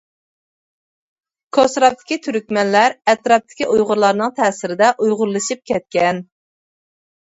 كوسراپتىكى تۈركمەنلەر ئەتراپتىكى ئۇيغۇرلارنىڭ تەسىرىدە ئۇيغۇرلىشىپ كەتكەن.